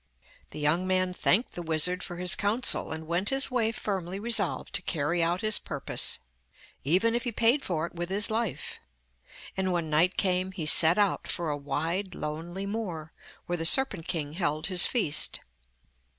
The young man thanked the wizard for his counsel, and went his way firmly resolved to carry out his purpose, even if he paid for it with his life; and when night came he set out for a wide, lonely moor, where the serpent king held his feast.